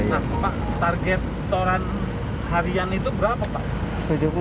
nah pak target setoran harian itu berapa pak